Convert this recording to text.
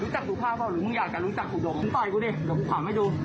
รู้จักสุภาพเปล่าหรือมึงอยากจะรู้จักสุภาพถอยกูดิเดี๋ยวผมถามให้ดู